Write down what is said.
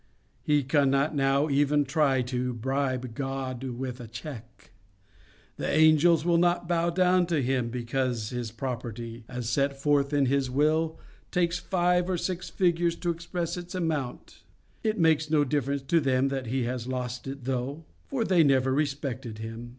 He cannot now even try to bribe God with a cheque. The angels will not bow down to him because his property, as set forth in his will, takes five or six figures to express its amount It makes no difference to them that he has lost it, though; for they never respected him.